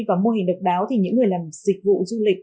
và mô hình độc đáo thì những người làm dịch vụ du lịch